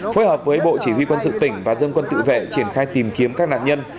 phối hợp với bộ chỉ huy quân sự tỉnh và dân quân tự vệ triển khai tìm kiếm các nạn nhân